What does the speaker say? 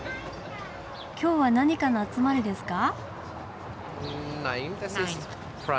今日は何かの集まりですか？